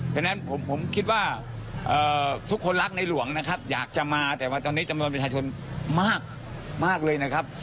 ฉะนั้นผมคิดว่าทุกคนรักในหลวงนะครับอยากจะมาแต่ว่าตอนนี้จำนวนประชาชนมากเลยนะครับ